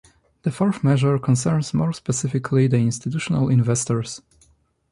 The fourth measure concerns more specifically the institutional investors.